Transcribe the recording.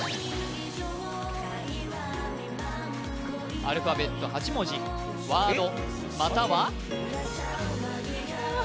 アルファベット８文字ｗｏｒｄまたは？